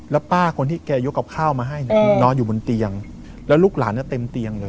แล้วป้าคนที่แกยกกับข้าวมาให้เนี่ยนอนอยู่บนเตียงแล้วลูกหลานเนี่ยเต็มเตียงเลย